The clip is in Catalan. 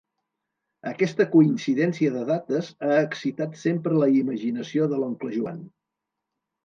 Aquesta coincidència de dates ha excitat sempre la imaginació de l'oncle Joan.